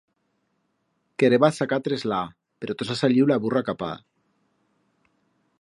Querébaz sacar treslada pero tos ha saliu la burra capada.